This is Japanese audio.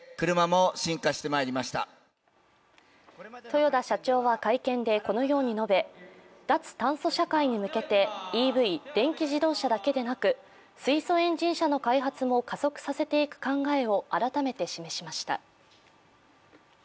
豊田社長は会見でこのように述べ脱・炭素社会に向けてＥＶ＝電気自動車だけでなく水素エンジン車の開発も加速させていく考えを改めて示しました。